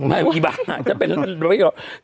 ไม่ว่าคือบ้างจะเป็นเรื่อง